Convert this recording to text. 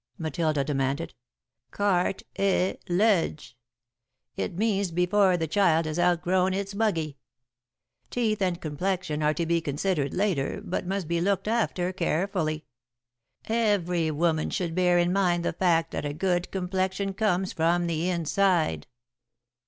Matilda demanded. "Cart i lage. It means before the child has outgrown its buggy. 'Teeth and complexion are to be considered later, but must be looked after carefully. Every woman should bear in mind the fact that a good complexion comes from the inside.'"